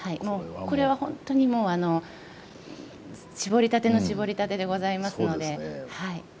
これはホントにもうしぼりたてのしぼりたてでございますので。